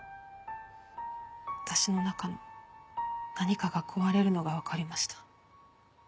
私の中の何かが壊れるのがわかりました。